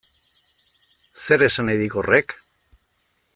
Zer esan nahi dik horrek?